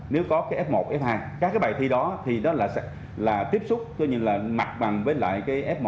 nếu có cái f một f hai các cái bài thi đó thì nó là tiếp xúc cho nhìn là mặt bằng với lại cái f một